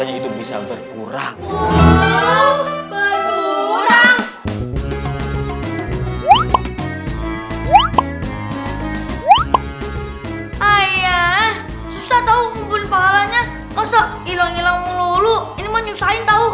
ayah susah tahu ngumpulin pahalanya masa hilang hilang melulu ini menyusahkan tahu